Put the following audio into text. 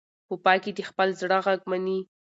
په پای کې د خپل زړه غږ مني.